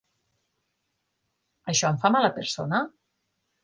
Això em fa mala persona?